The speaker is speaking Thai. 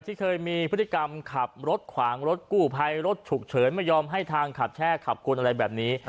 ที่เคยมีพฤติกรรมขับรถขวางรถกู้ภัยรถฉุกเฉินไม่ยอมให้ทางขับแช่ขับกวนอะไรแบบนี้